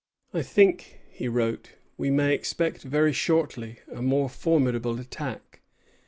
"I think," he wrote, "we may expect very shortly a more formidable attack."